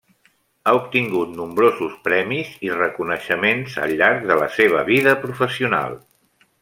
Ha obtingut nombrosos premis i reconeixements al llarg de la seva vida professional.